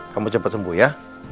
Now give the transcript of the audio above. kamu cepet sembuh ya